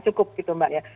nah cukup gitu mbak ya